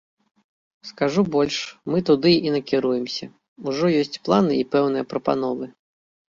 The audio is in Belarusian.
Скажу больш, мы туды і накіруемся, ужо ёсць планы і пэўныя прапановы.